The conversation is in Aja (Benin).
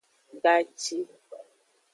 Gaci.